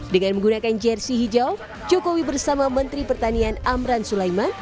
dengan menggunakan jersi hijau jokowi bersama menteri pertanian amran sulaiman